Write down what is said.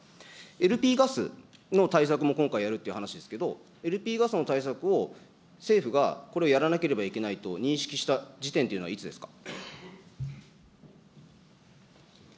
ＬＰガスの対策も今回、やるという話ですけれども、ＬＰガスの対策を政府がこれをやらなければいけないと認識した時点というのはいつですか。